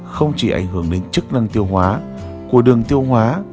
không chỉ ảnh hưởng đến chức năng tiêu hóa của đường tiêu hóa